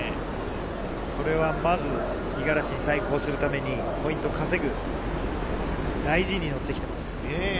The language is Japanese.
これはまず、五十嵐に対抗するためにポイント稼ぐ、大事に乗ってきてます。